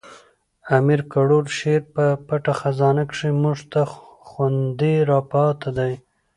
د امیر کروړ شعر په پټه خزانه کښي موږ ته خوندي را پاته دئ.